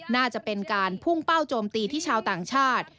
น่าจะเป็นการพุ่งเป้าโจมตีที่ชาวต่างชาติ